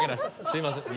すいません。